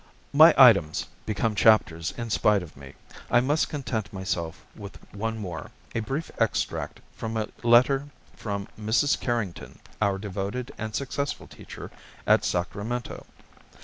My items become chapters in spite of me. I must content myself with one more, a brief extract from a letter from Mrs. Carrington, our devoted and successful teacher at Sacramento.